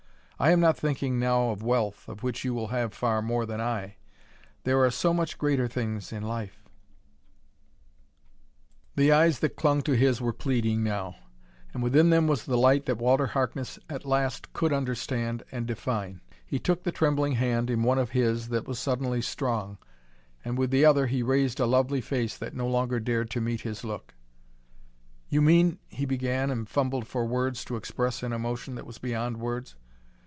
I am not thinking now of wealth, of which you will have far more than I: there are so much greater things in life " The eyes that clung to his were pleading now. And within them was the light that Walter Harkness at last could understand and define. He took the trembling hand in one of his that was suddenly strong, and with the other he raised a lovely face that no longer dared to meet his look. "You mean " he began, and fumbled for words to express an emotion that was beyond words.